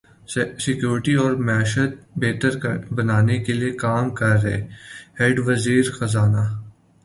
security اور معیشت بہتر بنانے کیلئے کام کر رہے ہیںوزیر خزانہ